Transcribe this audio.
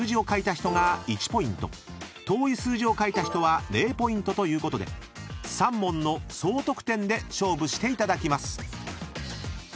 ［遠い数字を書いた人は０ポイントということで３問の総得点で勝負していただきます］